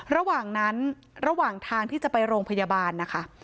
ระหว่างนั้นระหว่างทางที่จะไปโรงพยาบาลนะคะ